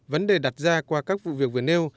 vấn đề đặt ra qua các vụ việc vừa nêu